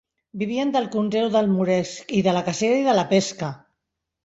Vivien del conreu del moresc i de la cacera i de la pesca.